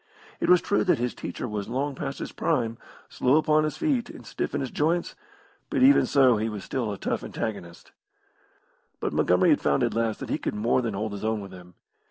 It was true that his teacher was long past his prime, slow upon his feet, and stiff in his joints, but even so he was still a tough antagonist; but Montgomery had found at last that he could more than hold his own with him.